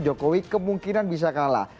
jokowi kemungkinan bisa kalah